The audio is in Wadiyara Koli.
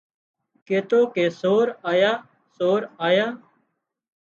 ڪيتو ڪي سور آيا سور آيا